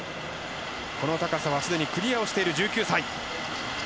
この高さはすでにクリアをしている１９歳。